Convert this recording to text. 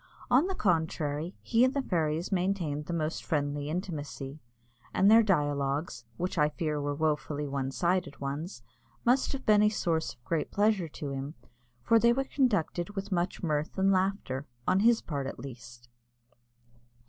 On the contrary, he and the fairies maintained the most friendly intimacy, and their dialogues which I fear were wofully one sided ones must have been a source of great pleasure to him, for they were conducted with much mirth and laughter, on his part at least.